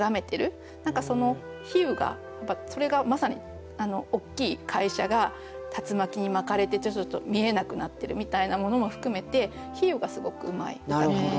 何か比喩がやっぱそれがまさに大きい会社が竜巻に巻かれてちょっと見えなくなってるみたいなものも含めて比喩がすごくうまい歌かなと。